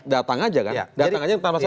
datang aja kan